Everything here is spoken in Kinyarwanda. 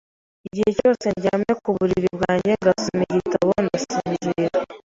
Igihe cyose ndyamye ku buriri bwanjye ngasoma igitabo, ndasinzira.